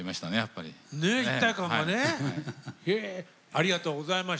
ありがとうございます。